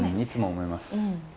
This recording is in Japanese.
いつも思います。